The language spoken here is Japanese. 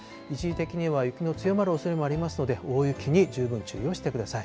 一時的には雪の強まるおそれもありますので、大雪に十分注意をしてください。